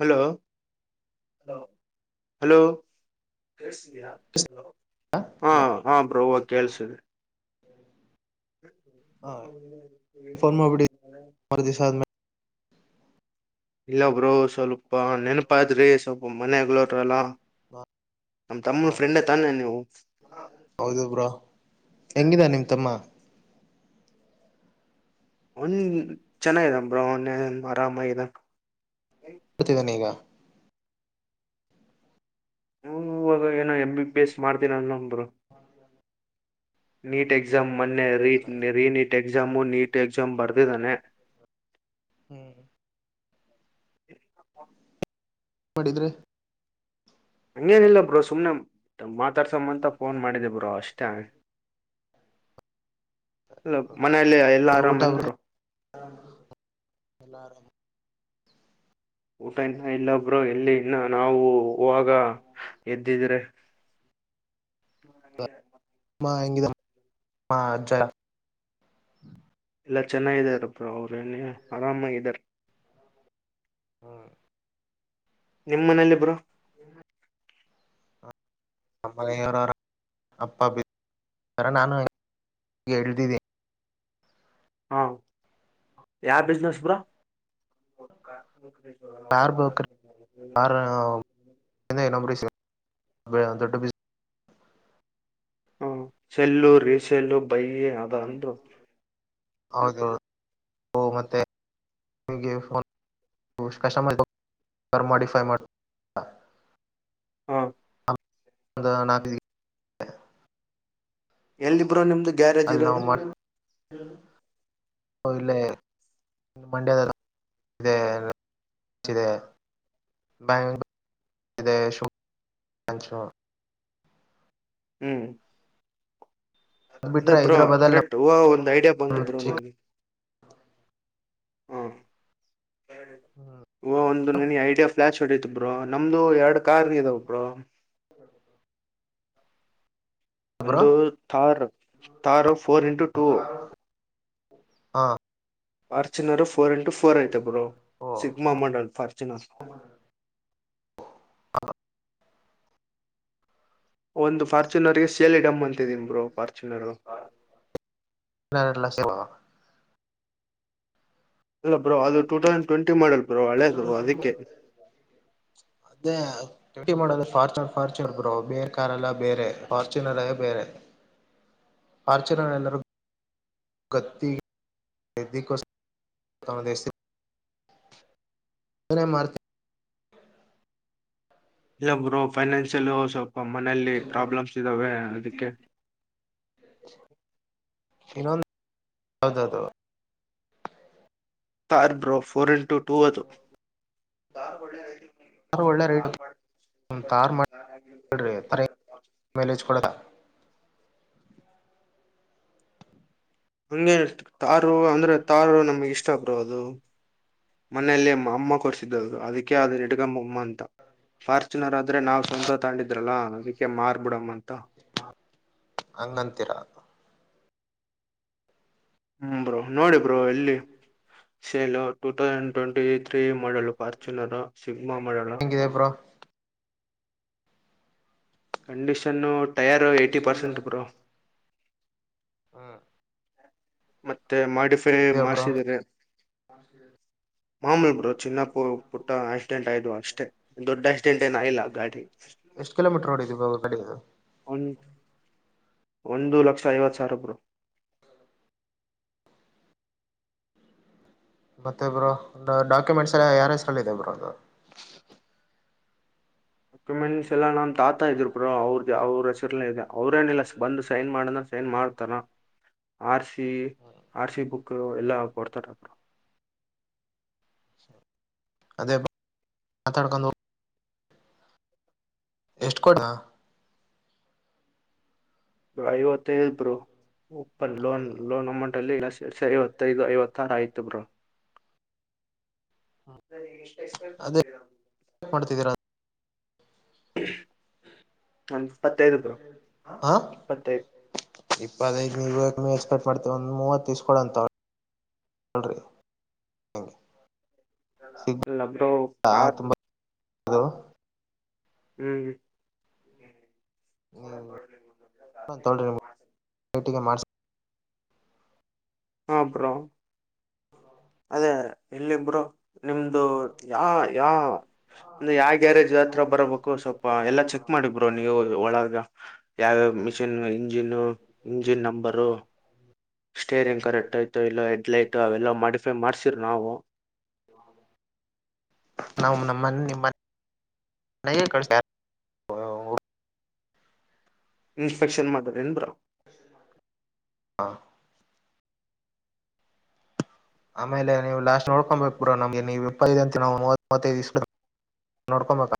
Hello hello ಹಾ hello ಹಾ bro ಕೇಳ್ಸಿದಿ ಹಫಮಬ ಇಲ್ಲಬ್ರೋ ಸ್ವಲ್ಪ ನೆನಪ ಆದ್ರೆ ಸ್ವಲ್ಪ ಒ ಮನಾಗಲೋಲ್ಲ ನಮ ತಮ್ಮ ಹಾ ಫ್ರೆಂಡೇ ತಾನೆ ನೀವು ಹೌದು ಬ್ರಾ ಹೆಂಗಿದ ನಿಮ ತಮ್ಮ ಒನ್ ಚೆನ್ನ ಬ್ರ ಆರಾಮ ಕೊಡ್ತಿದ್ದಾನೆ ಈಗ ನ ಇವಾಗ ಏನೋ ಎ ಬಿ ಎಸ್ ಮಾಡ್ತೀನ ಅ ಹಾ ನೀಟ್ ಎಕ್ಸಾಮ್ ಮೊನ್ನೆ ರಿನೀಟ್ ಎಕ್ಸಾಮು ನೀಟ್ ಎಕ್ಸಾಮ್ ಬರ್ತದೆ ಅದಾನೆ ಹ್ಮ್ ಹ ಮಾಡಿದ್ರೆ ಅಂಗೇನ ಇಲ್ಲ ಬ್ರೋ ಸುಮನೆ ಮಾತಾಡ್ಸಮ್ಮಂತ ಫೋನ್ ಮಾಡಿದ್ದೇ ಬರು ಅಷ್ಟೇ ಅಲ್ಲ ಮನೇೆಯಲ್ಲಿ ಎಲ್ಲ ಆರಾಮ್ ಊಟ ಬ್ರೋ ನ್ರು ಊಟ ಇನ್ನ ಇಲ್ಲೊಬ್ಬರು ಎಲ್ಲಿ ಇನ್ನ ನಾವು ಹಾಗ ಎದ್ದಿದ್ರೆ ಹ ಹಾಗ ಮಾ ಹೆಂಗಿದ ಅಜಜಾ ಎಲ್ಲ ಚೆನ್ನಾಗಿದಾರಪ್ರ ಅವರು ಏನ ಆರಾಮಾಗಾರ ಹ್ಮ್ ನಿಮ್ಮ ಮನೇಲಿಬರು ನಮ್ಮಲೆವರ ಅಪ್ಪ ಬಿ ಆರ ನಾನುಗೆ ಇಳಿದಿದ್ದೀಿ ಹಾ ಯಾವ ಬಿಸ್ನೆಸ್ ಪುರ ಕಾರ್ ಬಕ ಕಾರ್ ಇನ್ನಂಬ ಳಂತೊಡ್ಡ ಬಿಸಿ ಹ ಸೆಲ್ಲು ರೀಿಸೆಲ್ಲು ಬೈಯ ಅದ ಅಂದ್ರು ಹೌದು ಮತ್ತೆಗೆಫೋನ್ ಕ ಮಾಡ ಮಾಡಡಿಫೈ ಮಾಡ್ತ ಹ ಅಂದ ನಾಕ ಎಲ್ಲಿಬ್ರು ನಿಮ್ದು ಗ್ಯಾರೇಜ್ ಇರೋದು ಪಹಲೆ ಇ ಮಂಡ್ಯದ ಇದೆ ಇದೆ ಬೆಂಗೂರು ಇಚ ಹ್ಮ್ ಅದ್ ಅದೇ ಬಿಟ್ರೆ ಬ್ರೋ ಹೈದ್ರಾಬಾದಲ್ ಕರೆಕ್ಟ್ ಹೂ ಒಂದ್ ಐಡಿಯಾ ಬಂತು ನಮ್ ಬ್ರೋ ಚಿಕ್ಕ ನನಗೆ ಹ್ಮ್ ಓ ಒಂದು ನನ್ ಐಡಿಯಾ ಫ್ಲಾಶ್ ಹೊಡಿತ ಬ್ರೋ ನಮ್ದು ಎರಡು ಕಾರ್ಿಗೆದಾವ ಅಪರ ಬ್ರೋ ಒಂದು Thar Thar four into two ಹಾ ಮಾರ್ಚ್ಿನರು ಫೋರ್ ಇಂಟು ಫೋರ್ ಐತೆ ಬ್ರೋ ಓ ಸಗ್ಮಾ ಮಂಡಲ್ ಫಾರ್ಚುನರ್ ಹ ಒಂದು ಫಾರ್ಚುನರ್ಗೆ ಸೇಲಿ ಡಮ್ ಅಂತಿದೀ ಬರು ಫಾರ್ಚುನರ್ ವಾ ಇಲ್ಲ ಬ್ರೋ ಅದು ಟೂ ತೌಸಂಡ್ ಟ್ವೆಂಟಿ ಮಾಡಲ್ ಅ್ರ ಒಳ್ಳೇದು ಅದಕ್ಕೆ ್ಯಟಿ ಮಾಡೋದು ಫಾರ್ಚುನರ್ ಫಾರ್ಚುನರ್ ಬೋ ಬೇರೆ ಕ ಎಲ್ಲ ಬೇರೆ ಫಾರ್ಚುನರೇ ಬೇರೆ ಆಾರ್ಚನ ನಂದರು ಗತ್ತ ವಿಕ ತ ದ ನ ಮಾರ್ತ ಇಲ್ಲೊಬ್ರು ಫೈನಾನ್ಸಿಯಲ್ ಸ್ವಲ್ಪ ಮನೇೆಯಲ್ಲಿ ಪ್ರಾಬ್ಲಮ್ಸ್ ಇದ್ದಾವೆ ಅದಕ್ಕೆ ಇನ್ನೊಂದು ಹೌದದು car bro four into two ಅದು ಯಾರ ಒಳ್ಳ ರೈಡು ಮೈಲೇಜ್ ಕೊಡದ ಹಂಗೇ ತಾರು ಅಂದ್ರೆ ತಾರು ನಮ್ಗೆ ಇಷ್ಟ ಬರೋದು ಮನೇೆಯಲ್ಲಿ ಅಮ್ಮ ಕೊರ್ಸಿದ್ದದು ಅದಕ್ಕೆ ಆದ್ರ ಹಿಡುಗಮ್ಮ ಅಮ್ಮ ಅಂತ ಫಾರ್ಚುನರ್ ಆದ್ರೆ ನಾವ್ ಸ್ವಂತ ತಂಡಿದ್ರಲ್ಲಾ ಅದಕ್ಕೆ ಮಾರ್ಬಿಡಮಮ್ಮ ಅಂತ ಅಂಗಂತರ ಹ್ಮ್ ಬ್ರೋ ನೋಡಿ ಬ್ರೋ ಎಲ್ಲಿ sale two thousand twenty three model Fortuner sigma ಮಾಡೊಡಲು ಹೆಂಗಿದೆ bro condition tyre eighty percent bro ಹ್ಮ ಮತ್ತೆ ಮಾಡಫೈ ಬ್ರೋ ಮಾಡಸಿದ್ದಾರೆ ಮಾಮೂಲಿ ಬಿರು ಚಿನ್ನಪ್ಪ ಪುಟ್ಟ ಆಕ್ಸಿಡೆಂಟ್ ಆಯ್ು ಅಷ್ಟೇ ದೊಡ್ಡ ಆಕ್ಸಿಡೆಂಟ್ ಏನ ಇಲ್ಲ ಗಾಡಿ ಎಷ್ಟು ಕಿಲೋಮೀಟರ್ ನಡಿದೀವಿಾ ಕಡೆಗೆ ಒ ಒಂದು ಲಕ್ಷ ಐವತ್ತು ಸಾವಿರಬ್ರು ಮತ್ತೆ ಇ ಬ್ರೋ ಡಾಕ್ಯುಮೆಂಟ್ಸ್ ಎಲ್ಲ ಯಾರ ಹೆಸ್ರಲ್ಲ ಇದೆ ಬ್ರೋ ಅ ಡಾಕ್ಯುಮೆಂಟ್ಸ್ ಎಲ್ಲ ನ್ ತಾತಾ ಇದ್ರು ಬ್ರೋ ಅವ್ರ್ದ ಅವ್ರ ಹೆಸರಲ್ಲ ಇದೆ ಅವ್ರೇನಿಲ್ಲ ಬಂದು ಸೈನ್ ಮಾಡ ಸ ಏನ್ ಮಾಡ್ತಾನ ಆರ್ಸ ಆರ್ ಸಿಿ ಬುಕ್ ಎಲ್ಲಾ ಕೊಡ್ತಾರ ಅರು ಅದೇ ಮಾತಡಕ ನ ಎಷ್ಟು ಕೊಡ ಐವತ್ತೈದರು ಓಪನ್ ಲೋನ್ ಹೌದು ಲೋನ್ ಅಮೌಂಟ್ ಅಲ್ಲಿ ಐವತ್ತೈದು ಐವತ್ತಾರು ಆಯ್ತು ಬ್ರ ಷ್ಟ ಮ ಅದೇ ಮಾಡ್ತಿದ್ದೀರಾ ಒಂದುಪ್ಪತ್ತೈದು ಬರುೋ ಇಪ್ಪತ್ತೈದು ಬ ಈಗ ನೀವು ಎಕ್ಸ್ಪೆಕ್ಟ್ ಮಾಡತೀವಿ ಒಂದ್ ಮೂವತ್ತು ತಸ್ಕೊ ಅಂತ ಅವಳಿ ಹಲ್ರಿ ಹಂ ಲಬೋ ಸಾತ್ ಅಲ ಹ್ಮ್ ನೀವು ತ್ರಿೇಟಿಗೆ ಮಾಡ ಹ ಅಪರ ಅದೇ ಇಲ್ಲಿಬ್ರು ನಿಮ್ದು ಯಾ ಯಾ ಅಂದ್ರೆ ಯಾವ ಗ್ಯಾರೇಜ್ ಹತ್ರ ಬರಬೇಕು ಸ್ವಲ್ಪ ಎಲ್ಲಾ ಚೆಕ್ ಮಾಡಿಬ್ರೋ ನೀವು ಒಳಗ ಯಾವ machine engine engine number steering correct ಆಯ್ತ ಇಲ್ಲ ಹೆಡ್ಲೈತ ಅವೆಲ್ಲ ಮಾಡ ಮಾಡ್ಸರ ನಾವು ಮ್ಮ ನಿ ಮನ ಕಳ್ಸ ಇನ್ಸ್ಪೆಕ್ಷನ್ ಮದರ್ ಏನ್ಬ್ರ ಹಾ ಆಮೇಲೆ ನೀವು ಲಾಸ್ಟ್ ನೋಡ್ಕೊಬೇಕು ಪೂರಾ ನಮ್ಗೆ ನೀವು ಇಪ್ಪ ಅಂತ ನಾ ಮೂವತ್ವೈದು ನೋಡ್ಕೊಮಕ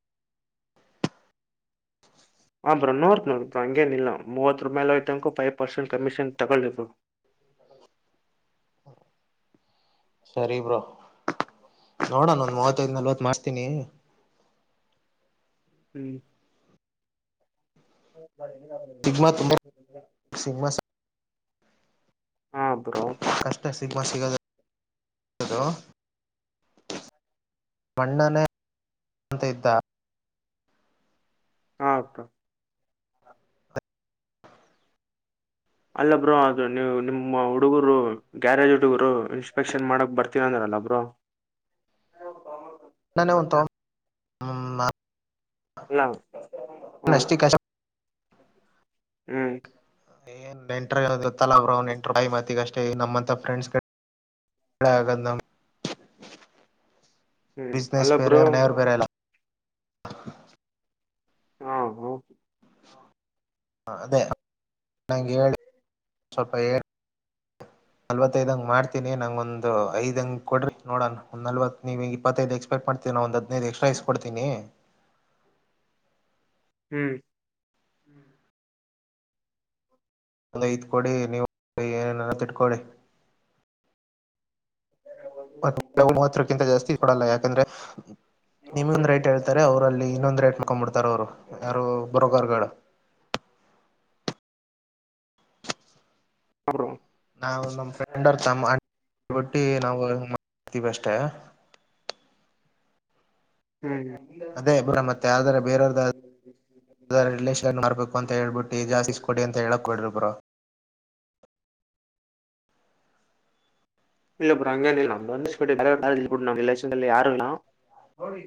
ಹ ಬ್ರಾ ನೋರ್ ನೋಡ್ ಬ್ರಾ ಹಂಗೇನಿಲ್ಲ ಮೂವತ್ ರಪಿ ಅಾಲೋಯತನಕ ಫೈವ್ ಪರ್ಸೆಂಟ್ ಕಮಿಷನ್ ತಗೊಳ್ಳಿದ್ರು [unintelligible] ಸರಿ ಬ್ರೋ ನೋಡೋಣ ಮೂವತ್ತೈದ್ ನಲ್ವತ್ ಮಾಡಿಸತೀನಿ ಹ್ಮ್ ಶಗ್ಮಾ ತುಂಬ ಸಿಗ್ಗಮಾ ಹ ಕಷ್ಟ ಸಿಗಮಾ ಸಿಗದದು ಮಣ್ಣನೇಂತ ಇದ್ದ ಹಾಕ ಅಲ್ಲ ಬ್ರೋ ಆದೂ ನೀವು ನಿಮ ಹುಡುಗರು ಗ್ಯಾರೇಜ್ ಹುಡುಗರು ಇನ್ಸ್ಪೆಕ್ಷನ್ ಮಾಡಕ್ ಬರ್ತನ ಅಂದ್ರಲ್ಲ ಒಬ್ರು ಹದ ಹೌದು ನಾನ ಹ ಹ್ಮ ಎಲ್ಲಾ ಹ್ಮ ಅಷ್ಟಿಕ್ ಅಷ್ಟ ಹ್ಮ್ ಏನ್ ನೆಂಟತ್ತಲ್ಲ ಅವ ನೆಂಟ ಟೈ ಮತ್ತಗ ಅಷ್ಟೇ ನಮ್ಮಂತ ಫ್ರೆಂಡ್ಸ್ ಕಡೆ ಎಳ ಆಗಂದ [inaudible] ಅಲ್ಲ ಬಿಸಿನಸ್ರೆ ಬ್ರೋ ನೇರು ಬರಲ್ಲ ಹಾ ಹ ಅದೇ ನಗೆ ಸ್ವಲ್ಪ ಏಳ್ ಹ ನಲ್ವತ್ತೈದ ಹಂಗ್ ಮಾಡ್ತಿನಿ ನಂಗ ಒಂದ್ ಐ್ ಹಂಗ ಕೊಡ್ರರಿ ನೋಡಣ ಒ ನಲ್ವ ನೀ ಇಪ್ಪತ್ತೈದು ಎಕ್ಸ್ಪೆಕ್ಟ್ ಮಾಡ್ ನ ಒಂದ್ ಹದಿನೈದು ಎಕ್ಸ್ರ ಇಸ್ ಕೊಡ್ನಿ ಹ್ಮ್ ಹ್ಮ್ [inaudible] ಒಂದ ಐದ ಕೊಡಿ ನೀವು ಏನೇನನ್ನ ಇಟ್ಕೊಳ್ಳಿ. ಮತ್ತ ಮೂವತ್ತಕ್ಕಿಂತ ಜಾಸ್ತಿ ಕೊಡಲ್ಲ ಯಾಕಂದ್ರೆ. ನಿಮೊಂದ್ ರೇಟ್ ಹೇಳ್ತಾರೆ ಅವರಲ್ಲಿ ಇನ್ನೊಂದ್ ರೇಟ್ ಮಕೊಂಡ್ಬಿಡ್ತಾರ ಅವರು ಯಾರು ಬ್ರೋಕರ್ ಗಳು. ಬ್ರೋ ನಾವು ನಮ್ಮ್ ಫ್ರೆಂಡ್ ಅವರ್ ತಮ್ಮ [unintelligible] ಬಟ್ಟಿ ನಾವು ಮಾಡತೀವಿ ಅಷ್ಟ. ಹ್ಮ್. [inaudible] ಅರ ರಿಲೇಷನ್ ಮಾಡ್ಬೇಕು ಅಂತ ಹೇಬಿಟ್ಟು ಜಾಸ್ಿಸ ಕೊಡಿ ಅಂತ ಹೇಳಕ್ ಹೋಗ ಬ್ಯಾಡ ರಿ ಬ್ರೋ. ಇಲ್ಲ ಬ್ರೋ ಹಾಂಗ ಏನ್ ಇಲ್ಲಾ ಬಂದ ಅಷ್ಟ ಕೊಡಿ ರಿಲೇಶನ್ ಅಲ್ಲಿ ಯಾರು ಇಲ್ಲ ಓಯ್.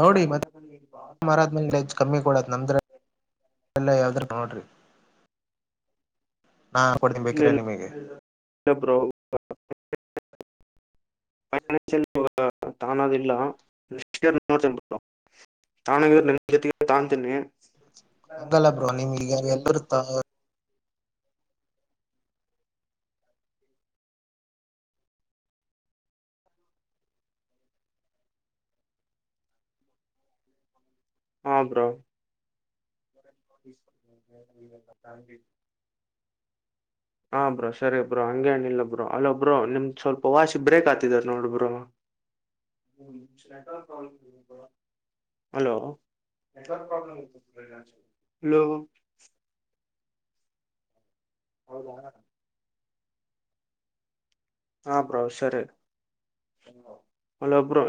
ನೋಡಿ ಮತ್ತೆ ಮಾರ ಆದ ಹೆಚ ಕಮ್ಮಿ ಕೊಡತ್ ನಮದ ರಾಲಿ ಯಾವದ ರಾ [inaudible] ನೋಡ್ರಿ ನಾ ಕೊಡನ್ ಬೇಕಿರ ನಿಮಗೆ. [inaudible] [unintelligible] ತೊಗೊನೋದ ಇಲ್ಲ [unintelligible] ತಾನಗರ್ ಇದರ ನಿಮ್ ಜೊತೆ ತೊಗೊತೀನಿ. ಹಂಗಲ್ಲ ಬ್ರೋ ನಿಮ್. [unintelligible] ಹಾ ಬ್ರೋ. [unintelligible] ಹಾ ಬ್ರೋ ಸರಿ ಬ್ರೋ ಹಂಗೇನ ಇಿಲ್ಲ ಬ್ರೋ ಅಲೊಬ್್ರೋ ನಿಮ್ ಸ್ವಲ್ಪ ವಾಯ್ಸ್ ಬ್ರೇಕ್ ಆಾತಿದಾರ್ ನೋಡ್ ಬ್ರೋ. ಹ್ಮ [unintelligible] ಹಲೋ ನೆಟ್ವರ್ಕ್ ಪ್ರಾಬ್ಲೆಮ್ [unintelligible] ಹಲೋ. ಹೌದಾ ಹಾ ಬೋ ಸರಿ ಹಲೋ ಬ್ರೋ.